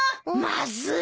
まずい。